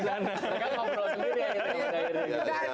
mereka ngobrol sendiri